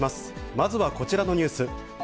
まずはこちらのニュース。